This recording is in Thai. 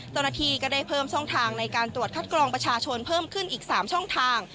เจ้าหน้าที่ก็ได้เพิ่มช่องทางในการตรวจคัดกรองประชาชนเพิ่มขึ้นอีก๓ช่องทาง